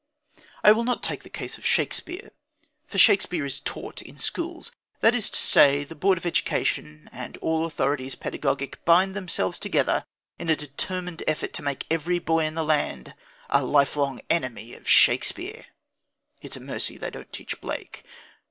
I will not take the case of Shakespeare, for Shakespeare is "taught" in schools; that is to say, the Board of Education and all authorities pedagogic bind themselves together in a determined effort to make every boy in the land a lifelong enemy of Shakespeare. (It is a mercy they don't "teach" Blake.)